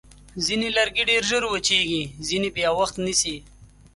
ځینې لرګي ډېر ژر وچېږي، ځینې بیا وخت نیسي.